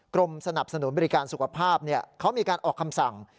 กรมสนับสนุนบริการสุขภาพเขามีการออกคำสั่ง